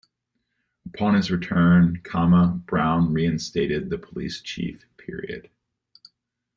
Upon his return, Brown reinstated the police chief.